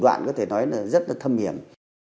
đoạn có thể nói là rất là thâm hiểm